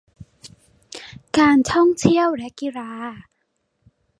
การท่องเที่ยวและกีฬา